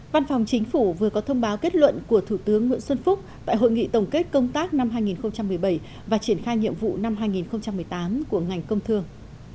văn phòng chính phủ vừa có thông báo kết luận của thủ tướng nguyễn xuân phúc tại hội nghị tổng kết công tác năm hai nghìn một mươi bảy và triển khai nhiệm vụ năm hai nghìn một mươi tám của ngành công thương